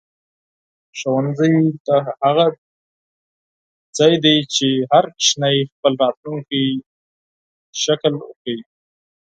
ښوونځی د هغه ځای دی چې هر ماشوم خپل راتلونکی شکل ورکوي.